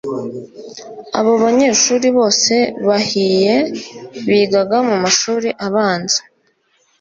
Abo banyeshuri bose bahiye bigaga mu mashuri abanza